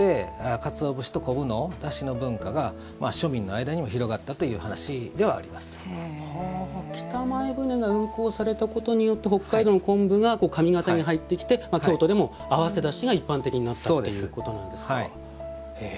かつお節とこぶのだしの文化が庶民の間にも北前船が運航されたことによって北海道の昆布が上方に入ってきて京都でも合わせだしが一般的になったということなんですか。